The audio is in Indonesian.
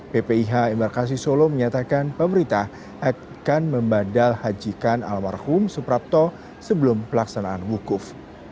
ppih embarkasi solo menyatakan pemerintah akan membadal hajikan almarhum suprapto sebelum pelaksanaan wukuf